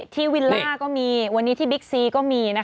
ที่วิลล่าก็มีวันนี้ที่บิ๊กซีก็มี